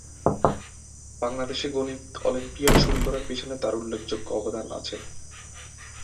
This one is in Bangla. বাংলাদেশে গণিত অলিম্পিয়াড শুরু করার পেছনে তার উল্লেখযোগ্য অবদান আছে।